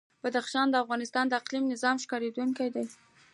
بدخشان د افغانستان د اقلیمي نظام ښکارندوی ده.